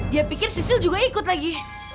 dia pikir sisil juga ikut lagi